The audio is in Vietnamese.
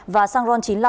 và xăng ron chín mươi năm